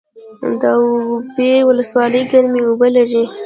د اوبې ولسوالۍ ګرمې اوبه لري